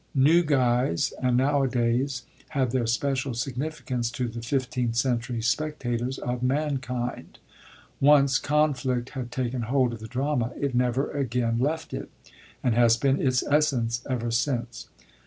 New gyse and Now a days had their special significance to the fifteenth century spectators of MaiMnd, Once confiict had taken hold of the drama, it never again left it, and has been its essence ever since.